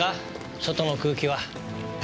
外の空気は。